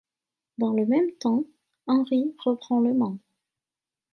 Dans le même temps, Henri reprend le Mans.